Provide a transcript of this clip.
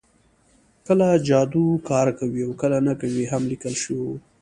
کله جادو کار کوي او کله نه کوي هم لیکل شوي وو